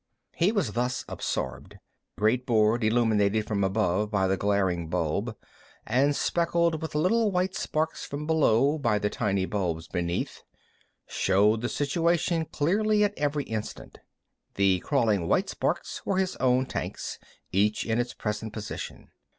He was thus absorbed. The great board, illuminated from above by the glaring bulb, and speckled with little white sparks from below by the tiny bulbs beneath, showed the situation clearly at every instant. The crawling white sparks were his own tanks, each in its present position.